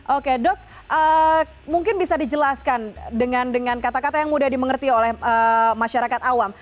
oke dok mungkin bisa dijelaskan dengan kata kata yang mudah dimengerti oleh masyarakat awam